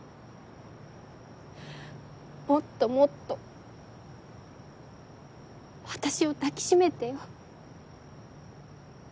もっともっと私を抱き締めてよ。